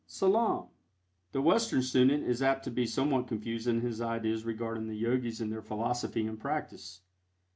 SALAAM. The Western student is apt to be somewhat confused in his ideas regarding the Yogis and their philosophy and practice.